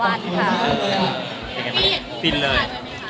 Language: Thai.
อย่างไรคะฟินเลย